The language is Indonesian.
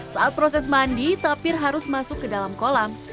saat proses mandi tapir harus masuk ke dalam kolam